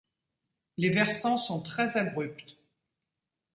Les versants sont très abrupts.